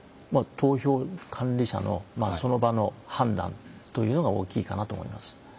投票管理者のその場の判断というのが大きいかなと思います。